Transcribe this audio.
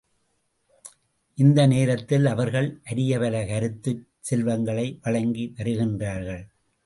இந்த நோக்கில் அவர்கள் அரிய பல கருத்துச் செல்வங்களை வழங்கி வருகின்றார்கள்.